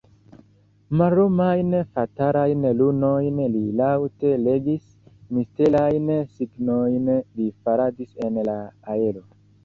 Mallumajn, fatalajn runojn li laŭte legis; misterajn signojn li faradis en la aero.